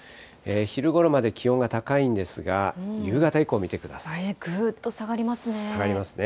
昼ごろまで気温が高いんですが、夕方以降、ぐっと下がりますね。